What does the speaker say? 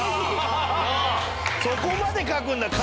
そこまで描くんだ！